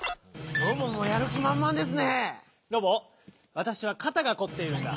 わたしはかたがこっているんだ。